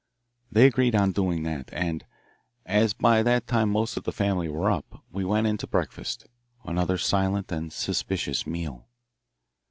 They agreed on doing that, and as by that time most of the family were up, we went in to breakfast, another silent and suspicious meal.